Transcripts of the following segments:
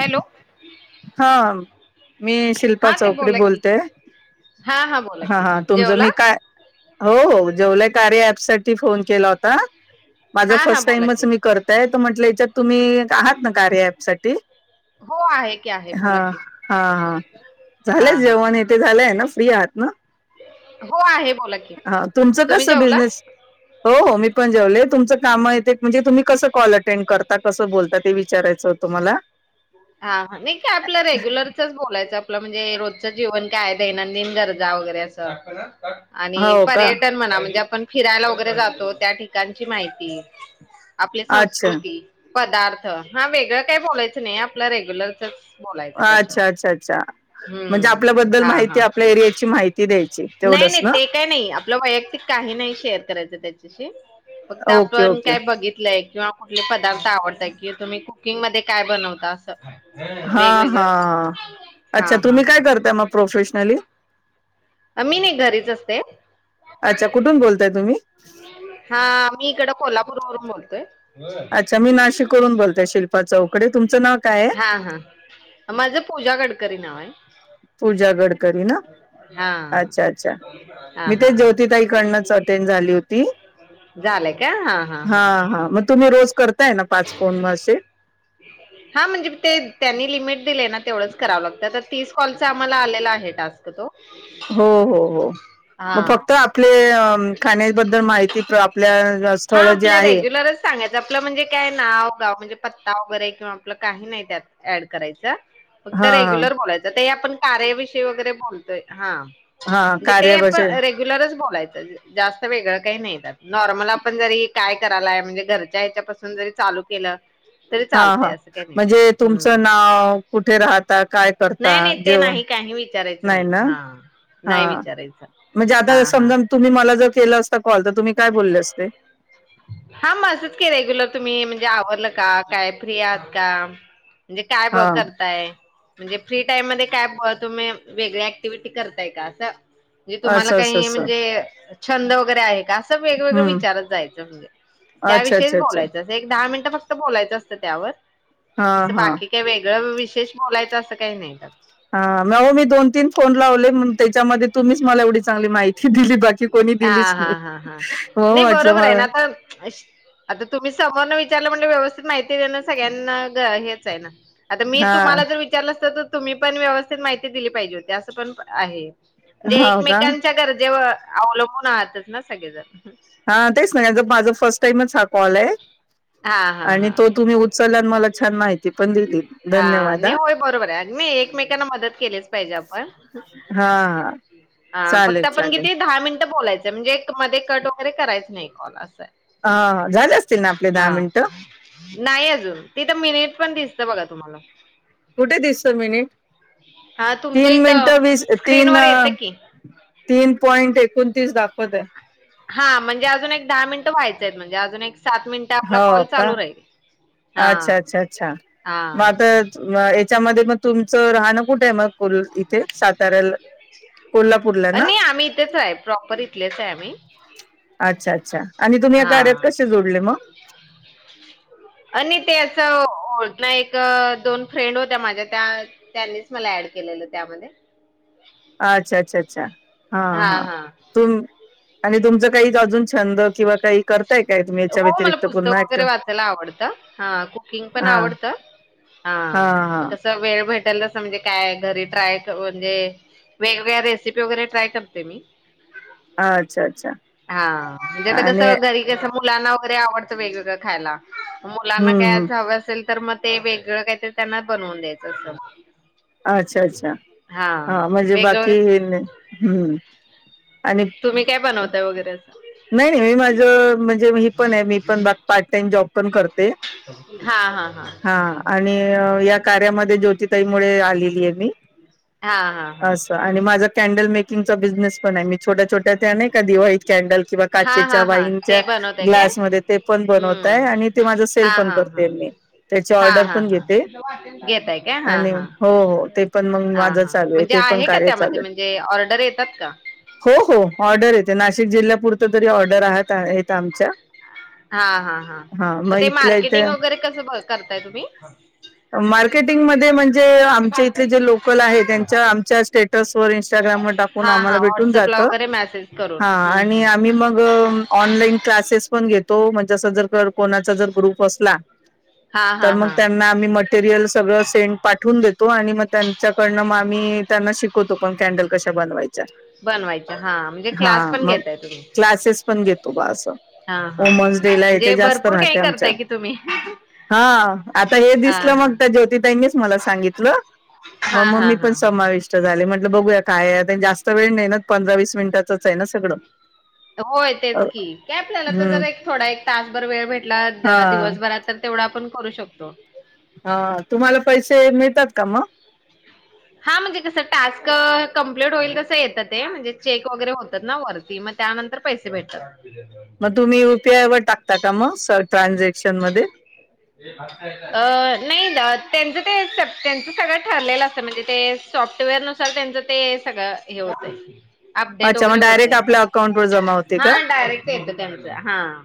Hello. हा. मी शिल्पा हा ते चौकडे बोला की बोलतेय. हा बोला हा की हा. तुमचं जेवला मी काय हो हो जेवला कार्य ॲप साठी फोन केला होता. माझा हा हा फर्स्ट बोला की टाईमच मी करताय तर म्हंटलं याच्यात तुम्ही आहात ना कार्य ॲप साठी. हो आहे की आहे हा बोला की हा हा हा झालंयच हा जेवण ये ते झालंय ना फ्री आहात ना. हो आहे. बोला की हा तुमचं तुम्ही कसं जेवला बिझनेस. हो हो मी पण जेवले. तुमचं काम ये म्हणजे तुम्ही कसं कॉल अटेंड करता कसं बोलता? ते विचार विचारायचं तुम्हाला? हा हा नाही काय आपलं रेग्युलरचच बोलायचं आपलं म्हणजे रोजचं जीवन काय दैनंदिन गरजा वगैरे असं. आणि हो का पर्यटन म्हणा म्हणजे पण फिरायला वगैरे जातो त्या ठिकाणची माहिती. आपली अच्छा संस्कृती. पदार्थ हा वेगळं काय बोलायचं. नाही. आपलं रेग्युलरच. बोलायचं अच्छा अच्छा अच्छा त्याच्यावर म्हणजे हम्म आपल्याबद्दल हा हा. माहिती आपल्या एरियाची माहिती द्यायची नाही तेवढंच नाही ना ते काही नाही आपलं वैयक्तिक काही नाही शेअर करायचं. त्याच्याशी. फक्त ओके आपण ओके काय बघितलंय. किंवा कुठले पदार्थ आवडतात कि तुम्ही कुकिंगध्ये काय बनव..? दास [unintelligible] हा, हा, हा अच्छा हा तुम्ही काय हा करता मग प्रोफेशनली? मी नी घरीच असते. अच्छा कुठून बोलताय तुम्ही हां मी इकडं कोल्हापूर.. ून बोलतय [unintelligible] अच्छा, मी नाशिक वरून बोलते शिल्पा चौ.. हां हां माझं पूजाकर.... करी नाव आहे. पूजागड करी नाव? हा अच्छा, अच्छा हा मी हा तेच हा ज्योती ताई कडनच अटेंड झाली होती. झालंय का हां, हां मग तुम्ही रोज कर.. हां, म्हणजे ते त्यांनी लिमिट दिलंय ना? तेवढंच करावं लागत तर तीस कॉलचा आम्हाला आलेला आहे टास्क तो. हो हो हो मग हा फक्त आपले. खाण्याबद्दल माहिती आपल्या हा स्थळ जे आपल्या आहे रेग्युलरच. सांगायचं आपलं म्हणे काय नाव-गाव म्हणजे पत्ता वगैरे किंवा आपले काही नाही त्यात ऍड करायचं. फक्त हा हा रेग्युलर बोलायचं. ते आपण कार्याविषयी वगैरे बोलतोय हां. हा म्हणजे ते आपण कार्याविषयी रेग्युलरच बोलायचं जास्त वेगळं काही नाही त्यात नॉर्मल आप. आपण जरी काय करायलाय म्हणजे घरच्या ह्याच्यापासून जरी चालू केलं.. तरी हा चालतंय हा असं काही नाही म्हणजे तुमचं हम्म नाव, कुठे राहता काय. करता नाही, नाही ते जेवण नाही काही विचारायचं. नाही हां हा नाही विचारायचं म्हणजे आता हां हां. समजा तुम्ही मला जर केला असता कॉल तर तुम्ही काय बोलले असते? हां, म असंच की रेग्युलर तुम्ही म्हणजे आवरलं का? काय फ्री आहात का? म्हणजे काय ब हा करताय? म्हणजे फ्री टाईम मध्ये काय ब तुमी वेगळे ऍक्टिव्हटी करताय का? असं. जे तुम्हाला असं असं काही असं म्हणजे छंद वगैरे आहे. असं वेगवेगळं हम्म विचारच जायंच. अच्छा त्याविषयीच अच्छा अच्छा बोलायचं अस. दहा मिनिटं फक्त बोलायचं असतं त्यावर हा असं हा बाकी काय वेगळ विष विशेष बोलायचं असं काही नाही. हा म आवो मी दोन तीन फोन लावले. ते च्यामध्ये तुम्हीच मला एवढी चांगली माहिती दिली बाकी कोणी हा दिलीच हा नाही हा हा हो नाही वाटलं बरोबर आहे मला. ना आता आता तुम्ही समोरन विचारल म्हणल्यावर व्यस्थित माहिती. सगळ्यांना हेच आहे आता मी हा तुम्हाला जर विचारलं असत तर तुम तुम्ही पण व्यवस्थित माहिती दिली पाहिजे होती असं पण आहे. जे हो का एकमेकांच्या गरजेवर अवलंबून आहातच ना सगळेजण. हा तेच ना माझा फर्स्ट टाइमच हा कॉल आहे. हा हा आणि हा तो तुम्ही उचललान मला. छान माहिती पण दिली हा धन्यवाद नाही होय बरोबर आहे नाही एकमेकांना मदत केलीच पाहिजे आपण हा हा हा फक्त चालेल आपण चालेल किती दहा मिनट बोलायचं म्हणजे मध्ये कट वगैरे करायच नाही कॉल असंय हा झाले असतील ना आपले दहा हा मिनिटं नाही अजून तिथ मिनिट पण दिसते बघा तुम्हाला कुठे दिस मिनिट हा तुमच्या तीन इथं मिनटं वीस तीन स्क्रीनवर येतं की. तीन पॉंट एक कोणतीस दाखवत आहे हा म्हणजे अजून एक दहा मिनिटं व्हायचंय आहेत म्हणजे अजून एक सात मिनिटं आपला हो कॉल का चालू राहील. हा अच्छा अच्छा अच्छा हा मग आता याच्यामध्ये मग तुमचं राहणं कुठे आहे मग कोल इथे साताऱ्याला कोल्हापूरला ना नाही आम्ही इथेच आहे प्रॉपर इथलेच आहे आम्ही. अच्छा अच्छा आणि तुम्ही या हा कार्यात कसे जोडले मग आणि ते असं हो ना एक दोन फ्रेंड होत्या माझ्या त्या त्यांनीच मला ऍड केलेलं त्यामध्ये अच्छा अच्छा अच्छा हा हा तुम आणि तुमचं अजून छंद किंवा काही करताय काय तुम्ही याच्या हो मला व्यतिरिक्त पुस्तक पुन्हा ऍक्टिव वगैरे वाचायला आवडतं हा कुकिंग पण हा आवडत हा हा म कस वेळ भेट म्हणजे काय घरी ट्राय म्हणजे वेगवेगळ्या रेसिपी वगैरे ट्राय करते मी अच्छा अच्छा हा म्हणजे आता आणि घरी कस मग मुलांना वैगरेआवडत वेगळं वेगळं खायला मुलांना काय हम्म हम्म अस हवं असेल तर मग ते वेगळं काहीतरी त्यांना बनवून द्यायचं अस अच्छा अच्छा हा म्हणजे वेगळं बाकी हम्म. आणि तुम्ही काय बनवताय वगैरे असं नाही नाही मी माझ म्हणजे मी पण आहे मी पण पार्ट टाइम जॉब पण करते हा आणि या कार्यामध्ये जो [unintelligible] हा हा हा कॅनडल मेकिंगचा बिझनेस पणआहे. मी छोट्या छोट्या त्या नाही का देवा कॅन्डल किंवा हा काचेच्या हा हा वाईनच्या ते बनवताय काय ग्लासमध्येध्य ते पण बनवताय हम्म. आणि ते माझा सेल हा पण हा करते हा मी त्याची हा ऑर्डर हा पण हा घेते घेताय काय हा आणि हा. हो ते पण मग हा माझं हा चालू आहे म्हणजे ते पण का कार्य त्यामध्ये चालू आहे म्हणजे ऑर्डर येतात का? हो हो ऑर्डर येते नाशिक जिल्हा तरी ऑर्डर राहतात. [unintelligible] हा, हा, हा मग ते इथे मार्केटिंग वगैरे कस बघ करताय तुम्ही. मार्केटिंग मध्ये म्हणजे आमच्या इथ जे लोकल आहेत, त्यांच्या आमच्या स्टेटस इंस्टाग्रामवर टाकून हा हा आम्हाला भेटून जात, व्हॉट्सअपला वगैरे मेसेज करून ह हम्म आणि हम्म आम्ही मग ऑनलाईन क्लासेस पण घेतो. जस, जर-कर कोणाचा जर ग्रुप असला हा तर हा मग हा त्यांना मटेरियल सगळंच तेन पाठवून देतो, आणि मग त्यांच्याकडन मी त्यांना शिकवतो पण, कॅनडल कशे बनवायचे. बनवायच्या हा म्हणजे हा क्लास पण मग घेताय तुम्ही क्लासेस पण घेतो, बा अस हा हा वूमन्स डे ला म्हणजे जास्त भरपूर राहत काही आमच्यात करताय की तुम्ही हा हे दिसलं हा मग त्या जोति ताईनीच मला सांगितलं हा मग हा मी हा पण हा समाविष्ट झाली. बघूया काय, जास्त वेळ नाही ना, पंधरा वीस मिनिटाच आहे ना सगळं. होय तेच की, आपल्याला तर हम्म जर एक थोडा एक तासभर वेळ भेटला हा दिवसभरात, तर तेवढा पण करू शकतो. हां तुम्हाला पैसे मिळतात का म? हां म्हणजे कसं टास्क कंप्लीट होईल तसं येतं ते म्हणजे चेक वगैरे होतात ना वरती मग त्यानंतर पैसे भेटतात. मग तुम्ही यु पी आय वर टाकता का मग [unintelligible] ट्रांजे [unintelligible] अ नाही [unintelligible] त्यांचं ते त्यांचं सगळं ठरलेलं असतं म्हणजे ते सॉफ्टवेअरनुसार त्यांचं ते सगळं हे होतंय. अपडेट अच्छा मग वगैरे डायरेक्ट होतय आपल्या अकाउंटवर जमा होते हा का? डायरेक्ट येतं त्यांचं हा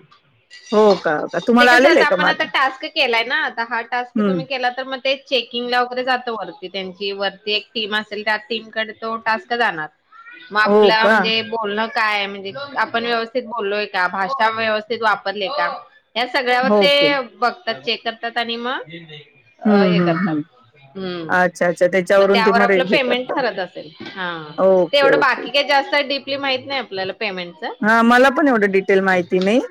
हो का? ते तुम्हाला आलेलं कसं आहे का आपण आता मार्क टास्क केलाय ना आता हा टास्क हम्म तुम्ही केला तर मग ते चेकिंगला वगैरे जा त वरती त्यांची वरती एक टीम असेल त्या टीमकड तो टास्क जाणार. मग हो आपल्या का म्हणजे बोलणं काय म्हणजे आपण व्यवस्थित बोललोय का? भाषा व्यवस्थित वापरलीय का? या सगळ्यावर ओके ते बघ तर चेक करतात आणि म [unintelligible] अं हम्म हे हम्म करतात. हम्म हम्म अच्छा अच्छा मग त्याच्यावरून ते त्यावर आपलं हे पेमेंट करतात ठरत असेल? हां, तेवढं बाकी काय जास्त डिप हां मला पण एवढं डिटेल माहिती नाही.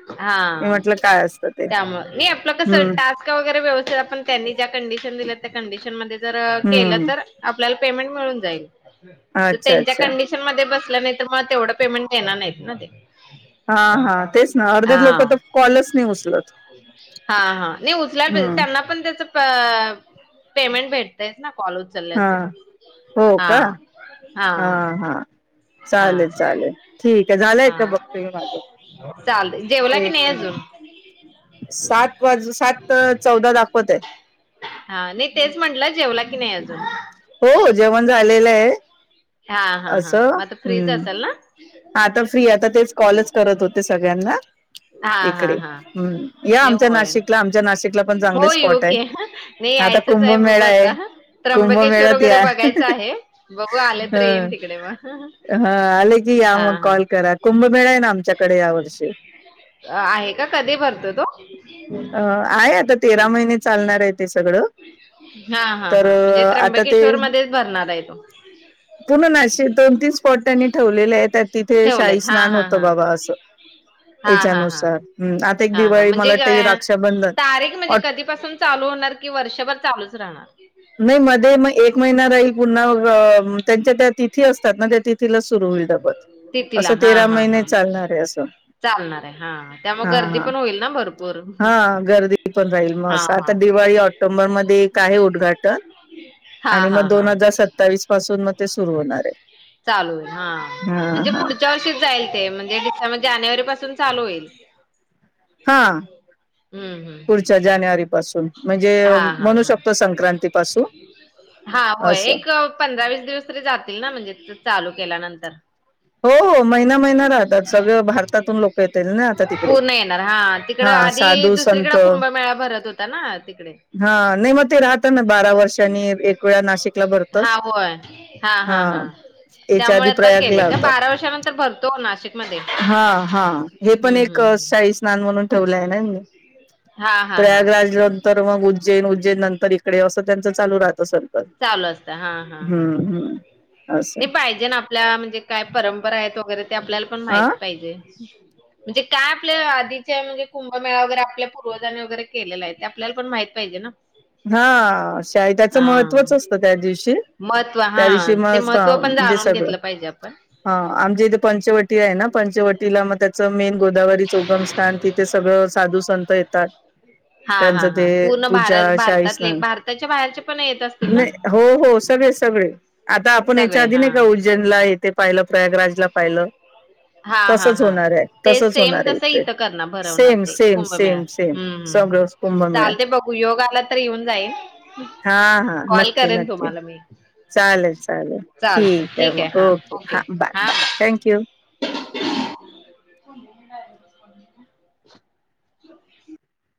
मी म्हटलं काय अस त्यामुळं मी आपलं कसं टास्क वगैरे व्यवस्थित आपण त्यांनी ज्या कंडिशन दिल्या त्या कंडिशनमध्येच जर केलं हम्म तर आपल्याला पेमेंट मिळून जाईल. तर अच्छा त्यांच्या अच्छा कंडिशनमध्ये बस ल्या नाहीतर म तेवढं पेमेंट देणार नाहीत ना ते? हां हां तेच ना, अर्धे लोक तर, कॉलच नाही उच हां नी उचल्या [unintelligible] हम्म त्यांना पण त्याचं प- पेमेंट भेटतायतं ना? काॅल हा उचल्याचं पहा, हो का हां हा हां हा हां चालेल चालेल ठीक आहे झालंय का बघते मी माझं हां चालतं. जेवला की एक नाही अजून? मिनिट सात वाजू, सातं चौदा दाखवत आहे. हा नाही तेच म्हंटलं जेवला की नाही अजून? हो हो जेवण झालेलं आहे हां हां हा, मग आता फ्रीच असाल ना? हां आता फ्री आहे. आता तेच कॉलच करत होते सगळ्यांना. हा हा इकडे, हा हम्म, या नाही आमच्या होय नाशिकला. आमच्या नाशिकला पण चांगले हो येऊ स्पॉट आहे. की नाही आता यायचंच बघू कुंभमेळा आहे. आता त्र्यंबकेश्वर कुंभमेळात वगैरे या. बघायचं आहे बघू आले तर हां येईन तिकडे मग हां आले या हा मग, हा कॉल करा. कुंभमेळा आहे ना, आमच्याकडे या वर्षी. आहे का कधी भरतो तो अं आहे, आता तेरा महिने चालणार आहे, ते सगळं, हा हा तर हा म्हणजे आता ते त्र्यंबकेश्वर मध्येच भरणार आहे तो पूर्ण नाशिक दोन-तीन स्पॉट त्यांनी ठेव [unintelligible] येतात तिथे, शाही ठेवलेत हा स्नान हा होत, हा बाबा असं, हा हा हा याच्यानुसार हं. आता, एक हा हा दिवाळी, मला म्हणजे वाटते ग- राक्षाबंधन, तारीख म्हणजे ऑट कधीपासून चालू होणार कि वर्षभर चालूच राहणार. नाही मध्ये, मग एक महिना राहील. पुन्हा व- त्यांच्या त्या तिथी असतात ना, त्या तिथी तिला सुरू होईल. [unintelligible] तिथीला असं हा तेरा हा महिने हा चालणार आहे, असं. चालणार आहे हा त्यामुळे हां गर्दी हां, पण होईल ना भरपूर हां, गर्दी पण राहील मग. हा हा आता दिवाळी ऑक्टोबर मध्ये, काय उद्धगाट [unintelligible] हा आणि हा मग दोन हा हजार सत्तावीस पासून, मग ते सुरू होणार आहे. हां हा म्हणजे हा पुढच्या वर्षी जाईल ते, म्हणजे त्याच्यामध्ये जानेवारी पण [unintelligible] चालू होईल. हा हम्म हम्म पुढच्या जानेवारीपासून म्हणजे हा हा म्हणू हा शकतो संक्रांतीपासून हा होय असं एक पंधरा वीस दिवस तरी जातील ना म्हणजे चालू केल्यानंतर हो हो महिना महिना राहतात सगळ भारतातून लोक येत ना आता तिकडे पूर्ण येणार हा तिकड हा आधी साधू संत दुसरीकडे कुंभमेळा भरत होता ना तिकडे हा नाही मग ते राहत ना बारा वर्षांनी एक वेळा नाशिकला भरतच हा याच्या आधी त्यामुळे आता केले प्रयागला का होत बारा वर्षांनंतर भरतो नाशिक हा हा हे पण एक हम्म हम्म शाई स्नान म्हणून ठेवलय ना ह्यांनी हा हा हा प्रयागराज नंतर उज्जैन उज्जैननंतर इकडे अस त्यांच चालू राहत असेल चालू असत. हा हा हा. हम्म असं नाही पाहिजे ना आपल्या म्हणजे काय परंपरा आहेत वगैरे ते आपल्याला पण माहित हा पाहिजे म्हणजे काय आपल्या आधीच्या म्हणजे कुंभमेळा वगैरे आपल्या पूर्वजांनी वगैरे केलेला आहे. ते आपल्याला पण माहित पाहिजे ना. हा शाहीत्याच हा महत्त्वच त्या दिवशी, महत्त्व त्या हा दिवशी ते मग महत्त्व पण म्हणजे जाणून सगळ. घेतलं पाहिजे आपण. हा आमच्या इथे पंचवटी आहे ना, पंचवटीला मग त्याच मेन गोदावरीच उगमस्थान तिथे सगळ साधू संत येतात. हा हा हा पूर्ण भारत भारत येस मॅम. नाही हो हो सगळे सगळे आता आपण याच्या सगळे आधी हा नाही का, उज्जैनला येथे पाहिल, प्रयागराजला पाहिल. [unintelligible] हा. हा. हा. ते सेम आहे तस इथे इथ करणार, भरवणार सेम ते सेम कुंभमेळा. सेम सेम हम्म सगळं हम्म् कुंभमेळा चालते बघू योग आला तर येऊन जाईन. हा हा कॉल नक्की करेन नक्की तुम्हाला मी. चालेल, चालेल ठीक आहे मग. ओके. हा. Bye, bye. Thank you. [inaudible] [inaudible]